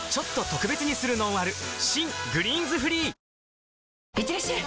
新「グリーンズフリー」いってらっしゃい！